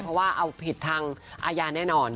เพราะว่าเอาผิดทางอาญาแน่นอน